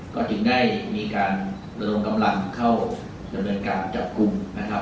ก็จึงได้มีการระดมกำลังเข้าดำเนินการจับกลุ่มนะครับ